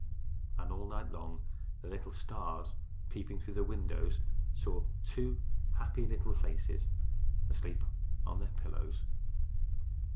And all night long the little stars peeping through the windows saw two happy little faces asleep upon their pillows.